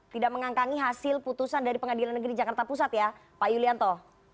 tidak mengangkangi hasil putusan dari pengadilan negeri jakarta pusat ya pak yulianto